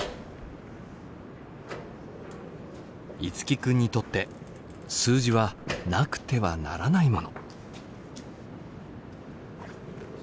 樹君にとって数字はなくてはならないもの。